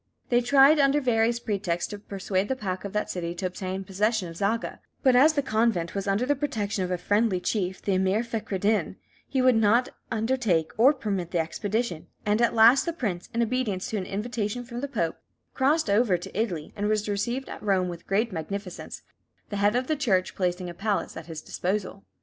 They tried, under various pretexts, to persuade the pacha of that city to obtain possession of Zaga; but as the convent was under the protection of a friendly chief, the Emir Fechraddin, he would not undertake or permit the expedition; and at last the prince, in obedience to an invitation from the Pope, crossed over to Italy, and was received at Rome with great magnificence, the head of the Church placing a palace at his disposal.